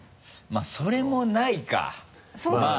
まぁそれもないかまぁ。